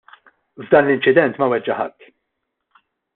F'dan l-inċident ma weġġa' ħadd.